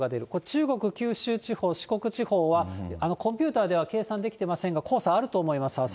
中国、九州地方、四国地方は、コンピューターでは計算できてませんが、黄砂あると思います、朝。